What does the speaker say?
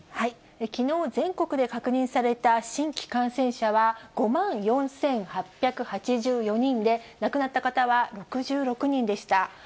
きのう、全国で確認された新規感染者は５万４８８４人で、亡くなった方は６６人でした。